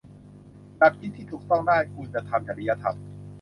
หลักคิดที่ถูกต้องด้านคุณธรรมจริยธรรม